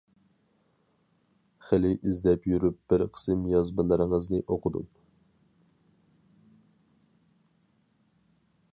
خېلى ئىزدەپ يۈرۈپ بىر قىسىم يازمىلىرىڭىزنى ئوقۇدۇم.